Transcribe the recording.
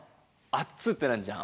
「あっつ」ってなんじゃん。